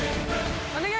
お願い！